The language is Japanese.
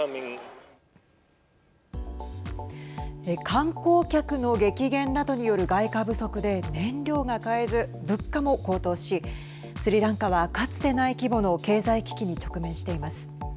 観光客の激減などによる外貨不足で燃料が買えず物価も高騰しスリランカは、かつてない規模の経済危機に直面しています。